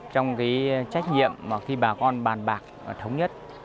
trong cái trách nhiệm mà khi bà con bàn bạc và thống nhất